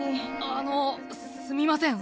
あのすみません